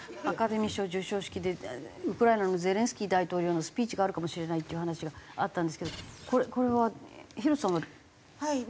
アカデミー賞授賞式でウクライナのゼレンスキー大統領のスピーチがあるかもしれないっていう話があったんですけどこれは廣瀬さんは？